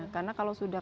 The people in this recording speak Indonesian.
karena kalau sudah